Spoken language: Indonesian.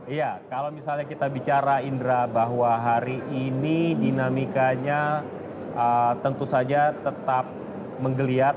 iya kalau misalnya kita bicara indra bahwa hari ini dinamikanya tentu saja tetap menggeliat